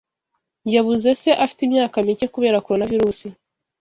Yabuze se afite imyaka mike kubera Coronavirus